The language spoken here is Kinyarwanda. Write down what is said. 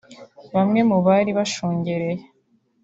Bamwe mu bari bashungereye